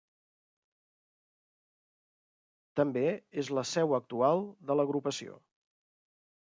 També és la seu actual de l'agrupació.